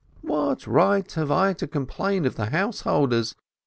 "What right have I to complain of the householders?